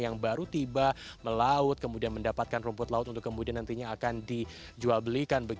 yang baru tiba melaut kemudian mendapatkan rumput laut untuk kemudian nantinya akan dijual belikan